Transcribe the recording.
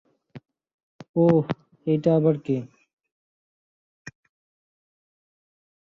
ওহ, এইটা আবার কে?